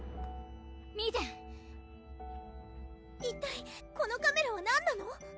一体このカメラは何なの⁉